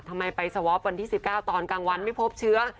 ทำไมไปสวอปวันที่๑๙ตอนกลางวันไม่พบเชื้อ